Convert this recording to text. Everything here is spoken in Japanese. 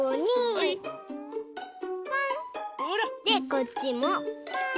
こっちもポン！